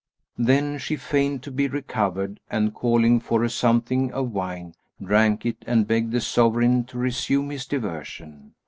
Then she feigned to be recovered and calling for a something of wine, drank it, and begged the Sovereign to resume his diversion.